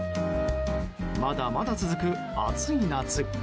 まだまだ続く暑い夏。